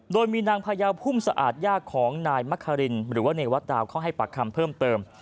โดยมีนางพยาวพุ่มสะอาดย่าของนายมะคารินหรือว่าเนวัดดาวเข้าให้ปากคำเพิ่มเติม